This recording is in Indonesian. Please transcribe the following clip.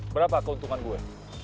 berapa keuntungan gue